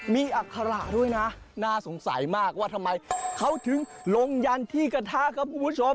มีอัคระด้วยนะน่าสงสัยมากว่าทำไมเขาถึงลงยันที่กระทะครับคุณผู้ชม